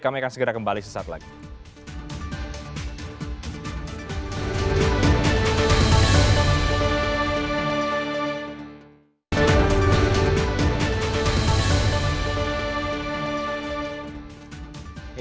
kami akan segera kembali sesaat lagi